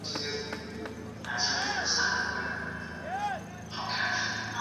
今川停车区是位于福冈县行桥市的东九州自动车道之服务区。